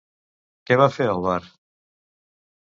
Què va fer al bar?